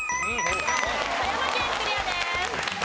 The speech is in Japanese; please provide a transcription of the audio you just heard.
富山県クリアです。